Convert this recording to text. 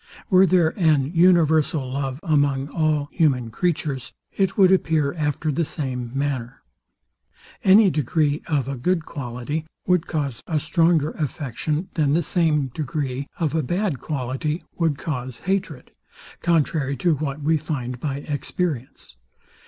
Were there an universal love among all human creatures, it would appear after the same manner. Any degree of a good quality would cause a stronger affection than the same degree of a bad quality would cause hatred; contrary to what we find by experience.